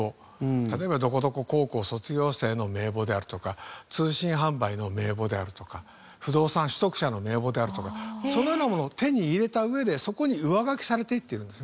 例えばどこどこ高校卒業生の名簿であるとか通信販売の名簿であるとか不動産取得者の名簿であるとかそのようなものを手に入れた上でそこに上書きされていってるんですね。